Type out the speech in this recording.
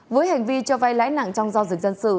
với hành vi cho vay lãi nặng trong giao dịch dân sự